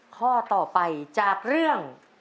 ข้อต่อไปจากเรื่อง